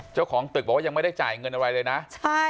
เจ้าของตึกบอกว่ายังไม่ได้จ่ายเงินอะไรเลยนะใช่